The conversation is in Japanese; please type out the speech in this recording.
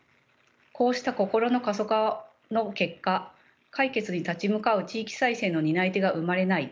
こうした心の過疎化の結果解決に立ち向かう地域再生の担い手が生まれない。